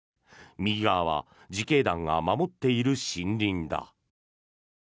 右側は自警団が守っている森林だ。